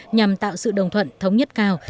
nhằm tạo sự đồng thuận thống nhất cao